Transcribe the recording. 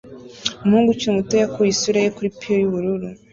Umuhungu ukiri muto yakuye isura ye kuri pie yubururu